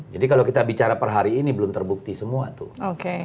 jadi kalau kita bicara per hari ini belum terbukti semua tuh